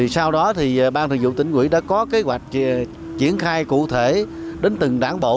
sau đó ban thường vụ tỉnh ủy đã có kế hoạch triển khai cụ thể đến từng đảng bộ